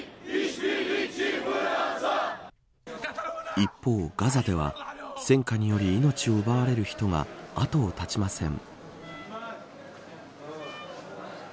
一方、ガザでは戦火により命を奪われる人が後を絶ちません。